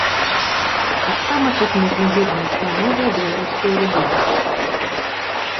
Таксама тут можна зірнуць на новыя беларускія рублі.